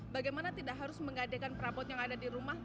bagaimana tidak harus menggadekan perabot yang ada di rumah